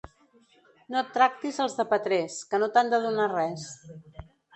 No tractis els de Petrés que no t'han de donar res.